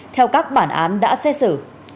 theo các bản án đã xét xử